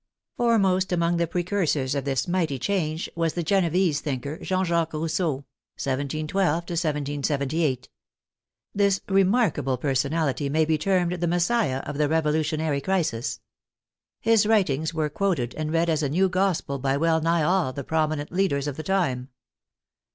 Foremost among the precursors of this mighty change was the Genevese thinker, Jean Jacques Rousseau (1712 1778). This remarkable personality may be termed the Messiah of the Revolutionary Crisis. His writings were quoted and read as a new gospel by well nigh all the prominent leaders of the time.